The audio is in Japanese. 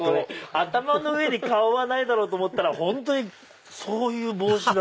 頭の上に顔はないだろうと思ったら本当にそういう帽子だ。